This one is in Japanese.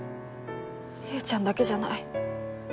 りえちゃんだけじゃない。